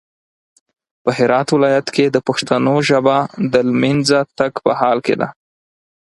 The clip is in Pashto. په هرات ولايت کې د پښتنو ژبه د لمېنځه تګ په حال کې ده